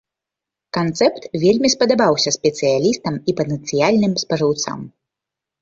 Канцэпт вельмі спадабаўся спецыялістам і патэнцыяльным спажыўцам.